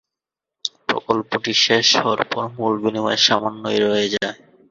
প্রকল্পটি শেষ হওয়ার পর মূল বিনিময় সামান্যই রয়ে যায়।